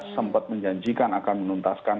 sempat menjanjikan akan menuntaskan